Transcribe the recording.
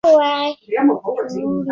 什里夫波特。